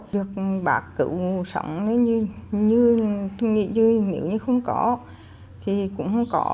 được bác cứu sống như không có thì cũng không có